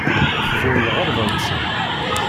Tḍul lɣerba-nsen.